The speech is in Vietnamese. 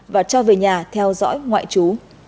và cho về nhà theo dõi ngoại trú